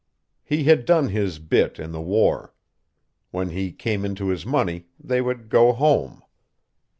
He had done his "bit" in the war. When he came into his money, they would go "home."